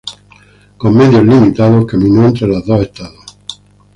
Con medios limitados, caminó entre los dos estados.